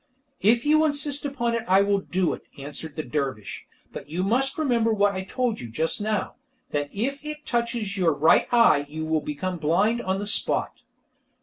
"If you insist upon it I will do it," answered the dervish, "but you must remember what I told you just now that if it touches your right eye you will become blind on the spot."